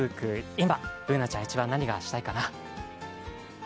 今、Ｂｏｏｎａちゃんは今一番何がしたいかな？